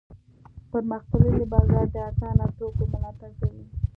پرمختللی بازار د ارزانه توکو ملاتړ کوي.